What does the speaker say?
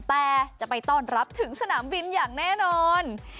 แต่จะไปต้อนรับถึงสนามบินอย่างแน่นอน